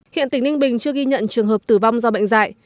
hiện tỉnh ninh bình chưa ghi nhận trường hợp tử vong do bệnh dạy